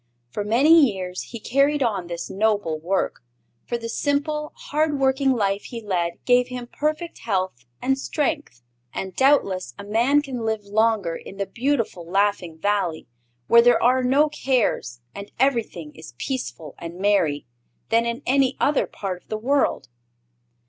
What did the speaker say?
For many years he carried on this noble work; for the simple, hard working life he led gave him perfect health and strength. And doubtless a man can live longer in the beautiful Laughing Valley, where there are no cares and everything is peaceful and merry, than in any other part of the world.